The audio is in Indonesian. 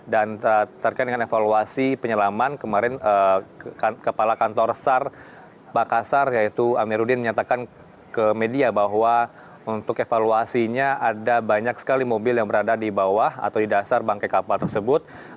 dan terkait dengan evaluasi penyelaman kemarin kepala kantor sar pakasar yaitu amiruddin menyatakan ke media bahwa untuk evaluasinya ada banyak sekali mobil yang berada di bawah atau di dasar bangkai kapal tersebut